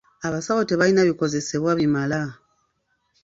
Abasawo tebalina bikozesebwa bimala.